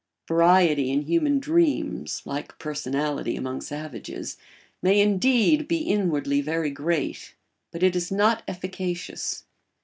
Variety in human dreams, like personality among savages, may indeed be inwardly very great, but it is not efficacious.